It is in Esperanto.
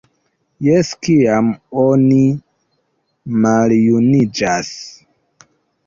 Jes, kiam oni maljuniĝas!